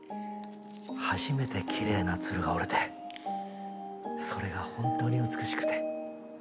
初めてきれいな鶴が折れてそれが本当に美しくて。